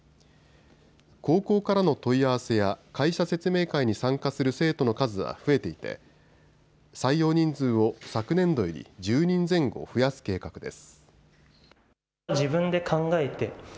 高校からの問い合わせや会社説明会に参加する生徒の数は増えていて採用人数を昨年度より１０人前後増やす計画です。